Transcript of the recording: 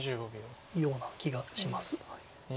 ような気がします。